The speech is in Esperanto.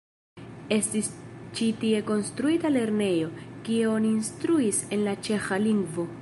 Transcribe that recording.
Estis ĉi tie konstruita lernejo, kie oni instruis en la ĉeĥa lingvo.